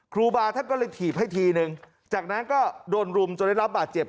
ครูบาท่านก็เลยถีบให้ทีนึงจากนั้นก็โดนรุมจนได้รับบาดเจ็บ